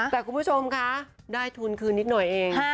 แต่คุณผู้ชมคะได้ทุนคืนนิดหน่อยเอง